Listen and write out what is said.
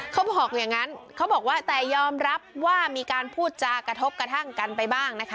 เขาบอกอย่างนั้นเขาบอกว่าแต่ยอมรับว่ามีการพูดจากกระทบกระทั่งกันไปบ้างนะคะ